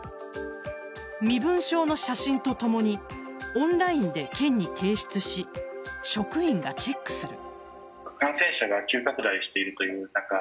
身分証の写真とともにオンラインで県に提出し職員がチェックする。